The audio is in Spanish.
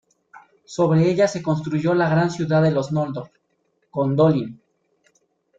Sobre ella se construyó la gran ciudad de los noldor, Gondolin.